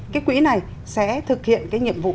cái quỹ này sẽ thực hiện cái nhiệm vụ